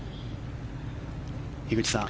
樋口さん